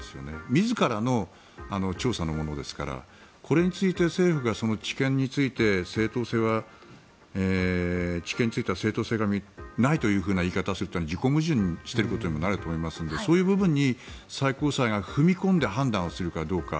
自らの調査のものですからこれについて政府が知見について正当性がないというふうな言い方をするというのは自己矛盾していることにもなると思いますのでそういうことに最高裁が踏み込んで判断をするかどうか。